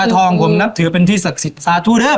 ตาทองผมก็นับถือเป็นที่ศักดิ์สิทธิ์